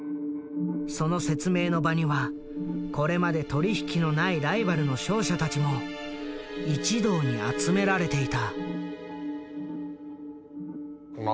その説明の場にはこれまで取り引きのないライバルの商社たちも一堂に集められていた。